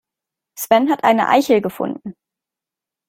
Sven hat eine Eichel gefunden.